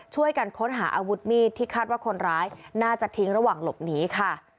ช่วยกันค้นหาอาวุธมีดที่คาดว่าคนร้ายน่าจะทิ้งระหว่างหลบหนีค่ะ